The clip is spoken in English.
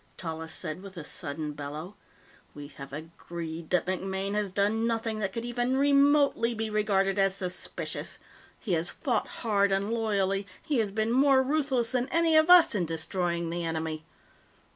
Tallis said with a sudden bellow. "We have agreed that MacMaine has done nothing that could even remotely be regarded as suspicious! He has fought hard and loyally; he has been more ruthless than any of us in destroying the enemy.